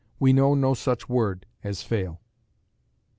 We know no such word as fail."